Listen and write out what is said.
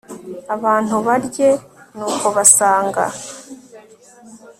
abantu barye nuko basanga